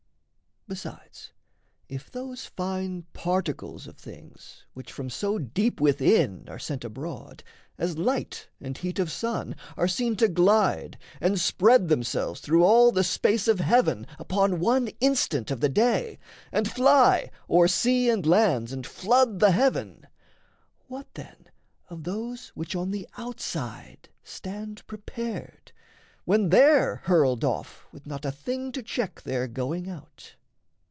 Besides, if those fine particles of things Which from so deep within are sent abroad, As light and heat of sun, are seen to glide And spread themselves through all the space of heaven Upon one instant of the day, and fly O'er sea and lands and flood the heaven, what then Of those which on the outside stand prepared, When they're hurled off with not a thing to check Their going out?